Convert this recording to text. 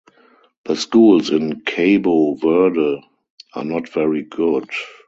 The schools in Cabo Verde are not very good.